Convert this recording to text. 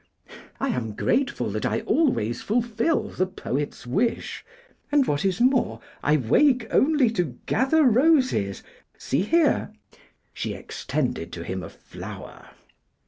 'I am grateful that I always fulfil the poet's wish; and what is more, I wake only to gather roses: see here!' She extended to him a flower.